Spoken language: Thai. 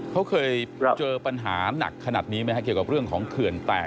เขาเคยเจอปัญหาหนักขนาดนี้ไหมครับเกี่ยวกับเรื่องของเขื่อนแตก